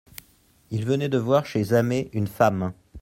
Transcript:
Il venait de voir chez Zamet une femme.